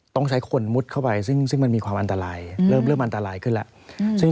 ต้องใช้คนมุดเข้าไปซึ่งมันมีความอันตรายเริ่มอันตรายขึ้นแล้ว